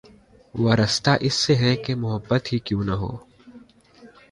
وارستہ اس سے ہیں کہ‘ محبت ہی کیوں نہ ہو